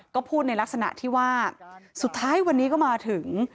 ก็พูดในลักษณะที่ว่าสุดท้ายวันนี้ก็มาถึง